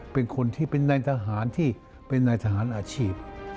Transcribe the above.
เป็นคนที่เป็นนายทหารที่เป็นนายทหารอาชีพ